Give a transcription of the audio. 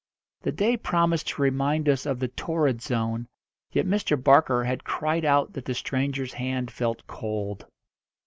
The day promised to remind us of the torrid zone, yet Mr. Barker had cried out that the stranger's hand felt cold.